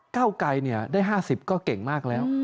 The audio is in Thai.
เก้าไกรได้๕๐ก็เก่งมากแล้ว